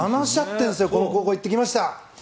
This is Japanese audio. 高校に行ってきました。